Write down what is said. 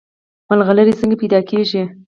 ملغلرې څنګه پیدا کیږي؟